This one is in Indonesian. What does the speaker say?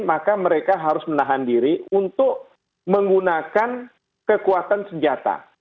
maka mereka harus menahan diri untuk menggunakan kekuatan senjata